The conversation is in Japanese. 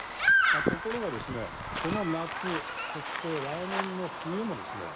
ところがですねこの夏そして来年の冬もですね